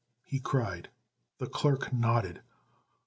he cried. The clerk nodded.